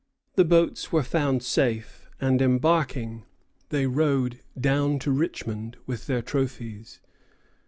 The boats were found safe, and embarking, they rowed down to Richmond with their trophies.